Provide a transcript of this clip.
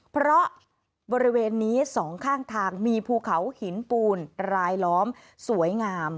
เพราะบริเวณนี้สองข้างทางมีภูเขาหินปูนรายล้อมสวยงาม